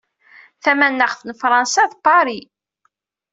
Tamanaɣt n Fransa, d Paris.